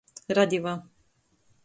Radiva.